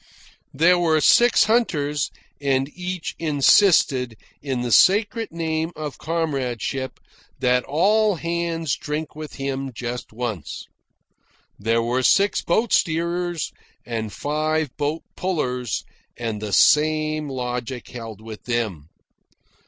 There were six hunters, and each insisted, in the sacred name of comradeship, that all hands drink with him just once. There were six boat steerers and five boat pullers and the same logic held with them.